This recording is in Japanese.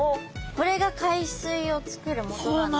これが海水をつくるもとなんですね。